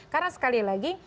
karena sekali lagi